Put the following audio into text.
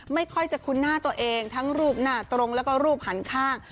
ไม่ค่อยจะคุ้นหน้าตัวเองทั้งรูปหน้าตรงแล้วก็รูปหันข้าง